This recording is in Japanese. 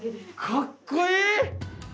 かっこいい！